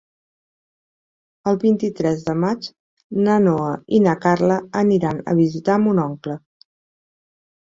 El vint-i-tres de maig na Noa i na Carla aniran a visitar mon oncle.